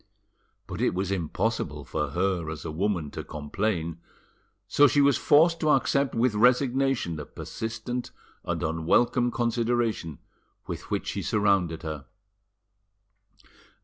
But it was impossible for her as a woman to complain, so she was forced to accept with resignation the persistent and unwelcome consideration with which he surrounded her.